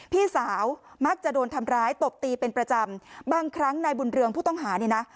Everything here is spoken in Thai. พี่สาวมักจะโดนทำร้ายตบตีเป็นประจำบางครั้งนายบุญเรืองผู้ต้องหาเนี่ยนะ